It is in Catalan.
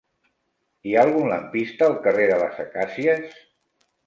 Hi ha algun lampista al carrer de les Acàcies?